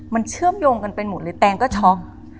มันเชื่อมโยงกันไปหมดเลยแตงก็ช็อก